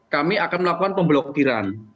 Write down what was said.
kami akan melakukan pemblokiran